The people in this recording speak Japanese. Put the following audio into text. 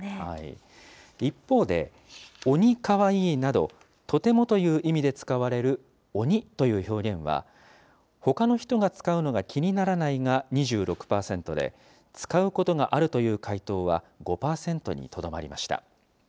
一方で、鬼かわいいなど、とてもという意味で使われる鬼という表現は、ほかの人が使うのが気にならないが２６％で、使うことがあるという回答は５％にとどまりました。